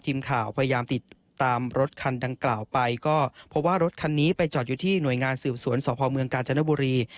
ทีมข่าวพยายามติดตามรถคันดังกล่าวไปก็เพราะว่ารถคันนี้ไปจอดอยู่ที่หน่วยงานสืบสวนสพเมืองกาญจนบุรี